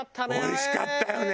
おいしかったよね！